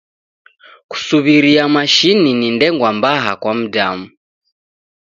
Kusuw'iria mashini ni ndengwa mbaha kwa mdamu.